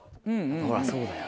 ほらそうだよ。